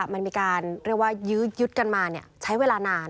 มันมีการเรียกว่ายื้อยึดกันมาใช้เวลานาน